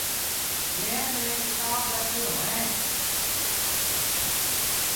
جݩهݩ ميݩ ڪتآب رکل اوهيݩ۔